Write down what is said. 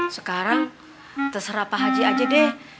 sekarang terserah pak haji aja deh